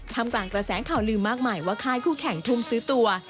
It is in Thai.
ทำกลางกระแสข่าวลืมมากมายว่าค่ายคู่แข่งทุ่มซื้อตัว